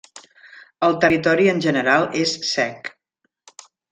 El territori en general és sec.